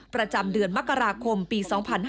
ประจำเดือนมกราคมปี๒๕๕๙